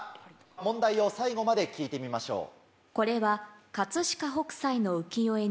問題を最後まで聞いてみましょう。